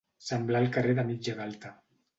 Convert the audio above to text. Semblar el carrer de mitja galta.